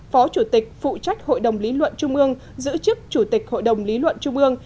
phó chủ tịch phụ trách hội đồng lý luận trung ương giữ chức chủ tịch hội đồng lý luận trung ương